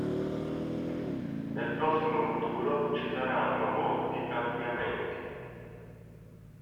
Nel prossimo futuro ci saranno molti cambiamenti.